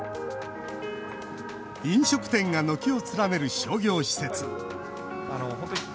飲食店が軒を連ねる商業施設。